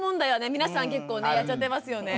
皆さん結構ねやっちゃってますよね。